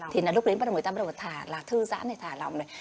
thì là lúc đến người ta bắt đầu thả là thư giãn này thả lỏng này